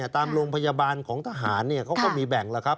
ตามโรงพยาบาลของทหารเขาก็มีแบ่งแล้วครับ